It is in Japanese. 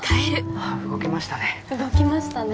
あっ動きましたね。